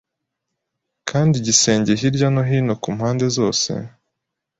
Kandi igisenge hirya no hino Ku mpande zose